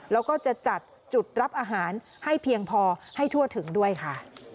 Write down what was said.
แล้วก็จะจัดจุดรับอาหารให้เพียงพอให้ทั่วถึงด้วยค่ะ